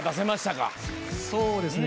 そうですね。